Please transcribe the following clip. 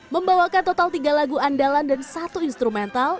membawakan total tiga lagu andalan dan satu instrumental